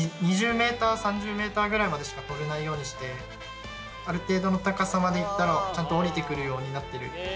メーター３０メーターぐらいまでしか飛べないようにしてある程度の高さまでいったらちゃんとおりてくるようになってる。